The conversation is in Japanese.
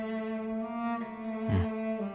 うん。